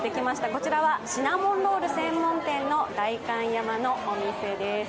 こちらはシナモンロール専門店の代官山のお店です。